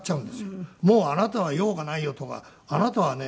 もうあなたは用がないよとかあなたはね